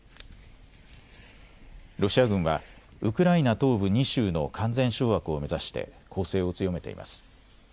ロシア軍はウクライナ東部２州の完全掌握を目指して攻勢を強めています。